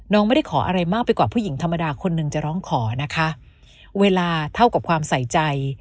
ไม่ได้ขออะไรมากไปกว่าผู้หญิงธรรมดาคนหนึ่งจะร้องขอนะคะเวลาเท่ากับความใส่ใจ